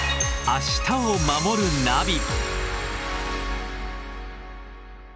「明日をまもるナビ」